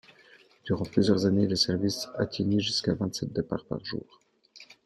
Durant plusieurs années, le service atteignit jusqu'à vingt-sept départs par jour.